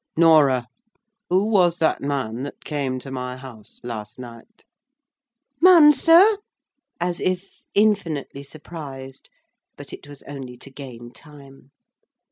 "Norah! Who was that man that came to my house last night?" "Man, sir!" As if infinitely; surprised but it was only to gain time.